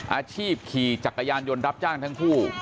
อาชีพขี่จักรยานยนต์รับจ้างทั้งคู่